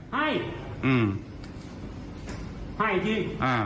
ให้ให้อีกที